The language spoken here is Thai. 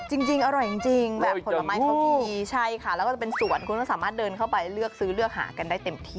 จริงอร่อยจริงแบบผลไม้เขามีใช่ค่ะแล้วก็จะเป็นสวนคุณก็สามารถเดินเข้าไปเลือกซื้อเลือกหากันได้เต็มที่